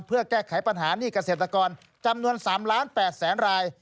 เพื่อแก้ไขปัญหาหนี้เกษตรกรจำนวน๓ล้าน๘แสนราย